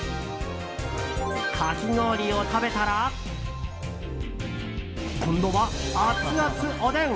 かき氷を食べたら今度はアツアツおでん！